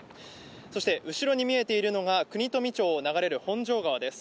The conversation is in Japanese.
そして、後ろに見えているのが国富町を流れる本庄川です。